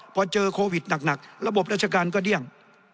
พอเจอโควิดหนักระบบราชการก็เดี้ยง